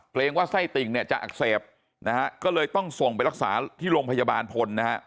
เพราะว่าไส้ติ่งจะอักเสบก็เลยต้องส่งไปรักษาที่โรงพยาบาลพล